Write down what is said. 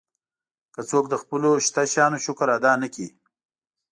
که څوک د خپلو شته شیانو شکر ادا نه کړي.